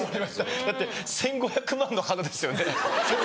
だって１５００万の肌ですよね。